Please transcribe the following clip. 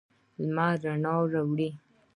لمر رڼا راوړي.